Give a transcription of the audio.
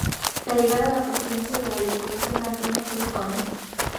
La llegada a la presidencia de la Diputación de Antonio Cruz Conde.